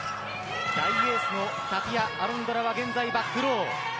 大エースのタピア・アロンドラは現在、バックロー。